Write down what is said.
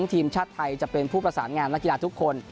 ทีมชาติไทยจะเป็นผู้ประสานงานนักกีฬาทุกคน